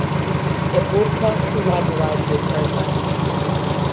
It broadcasts a wide variety of programmes.